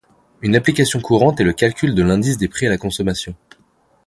Une application courante est le calcul de l'Indice des prix à la consommation.